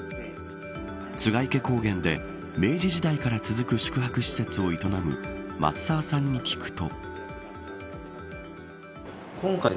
栂池高原で明治時代から続く宿泊施設を営む松澤さんに聞くと。